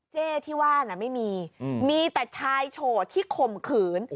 เจ๊ที่ว่าน่ะไม่มีมีแต่ชายโฉดที่ข่มขืน